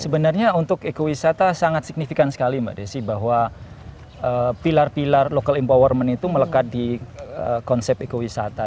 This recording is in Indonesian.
sebenarnya untuk ekowisata sangat signifikan sekali mbak desi bahwa pilar pilar local empowerment itu melekat di konsep ekowisata